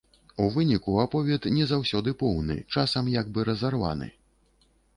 У выніку аповед не заўсёды поўны, часам як бы разарваны.